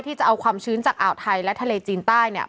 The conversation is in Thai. จะเอาความชื้นจากอ่าวไทยและทะเลจีนใต้เนี่ย